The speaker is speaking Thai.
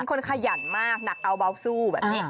เป็นคนขยันมากหนักเอาเบาก็สู้